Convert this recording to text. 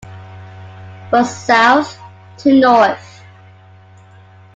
For south to north.